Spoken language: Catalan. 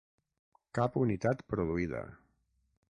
Cap unitat produïda.